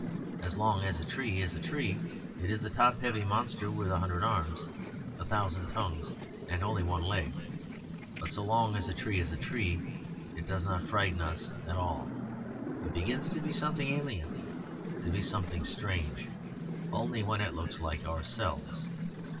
As long as a tree is a tree, it is a top heavy monster with a hundred arms, a thousand tongues, and only one leg. But so long as a tree is a tree, it does not frighten us at all. It begins to be something alien, to be something strange, only when it looks like ourselves.